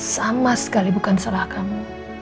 sama sekali bukan salah kamu